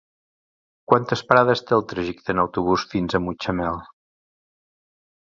Quantes parades té el trajecte en autobús fins a Mutxamel?